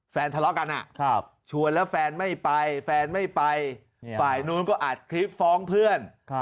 ทะเลาะกันชวนแล้วแฟนไม่ไปแฟนไม่ไปฝ่ายนู้นก็อัดคลิปฟ้องเพื่อน